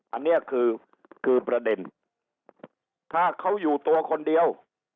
อันนี้คือคือประเด็นถ้าเขาอยู่ตัวคนเดียว